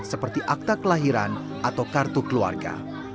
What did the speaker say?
seperti akta kelahiran atau kartu keluarga